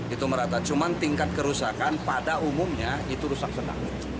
itu merata cuma tingkat kerusakan pada umumnya rusak senang